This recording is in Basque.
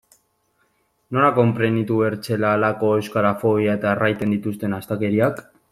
Nola konprenitu bertzela halako euskarafobia eta erraiten dituzten astakeriak?